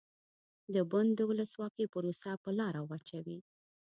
د بن د ولسواکۍ پروسه په لاره واچوي.